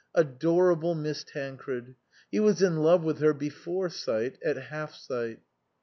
Adorable Miss Tancred ! He was in love with her before sight, at half sight.